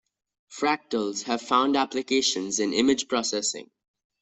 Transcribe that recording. Fractals have found applications in image processing.